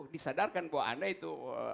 disadarkan bahwa anda itu